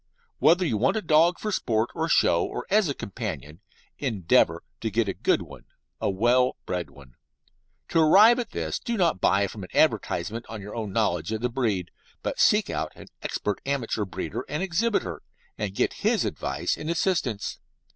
Whether you want a dog for sport, for show, or as a companion, endeavour to get a good one a well bred one. To arrive at this do not buy from an advertisement on your own knowledge of the breed, but seek out an expert amateur breeder and exhibitor, and get his advice and assistance.